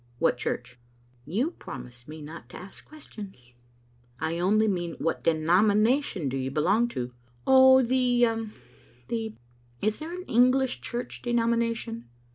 "What church?" "You promised not to ask questions." " I only mean what denomination do you belong to?" "Oh, the — the Is there an English church denomination?"